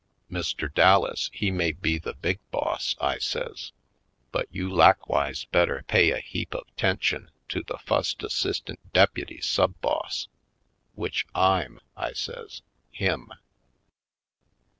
Mr. Dallas he may be the big boss," I says, "but you lakwise better pay a heap of 'tention to the fust assistant deputy sub boss w'ich I'm," I says, "him."